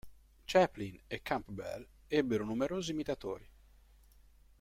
Chaplin e Campbell ebbero numerosi imitatori.